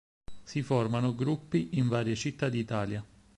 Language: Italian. Si formano gruppi in varie città d'Italia.